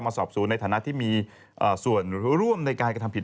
สอบสวนในฐานะที่มีส่วนร่วมในการกระทำผิด